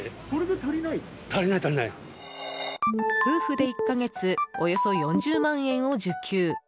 夫婦で１か月およそ４０万円を受給。